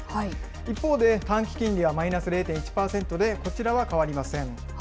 一方で、短期金利はマイナス０．１％で、こちらは変わりません。